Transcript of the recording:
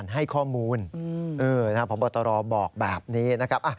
ให้ข้อมูลพบตรบอกแบบนี้นะครับ